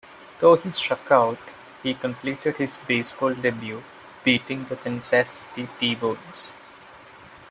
Though he struck out, he completed his baseball debut beating the Kansas City T-Bones.